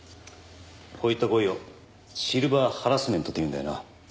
こういった行為をシルバーハラスメントというんだよな。